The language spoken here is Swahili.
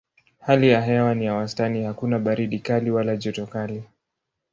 Hali ya hewa ni ya wastani hakuna baridi kali wala joto kali.